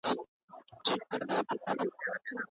ټول انسانان حقونه لري.